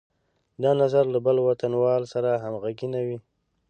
دا نظر له بل وطنوال سره همغږی نه وي.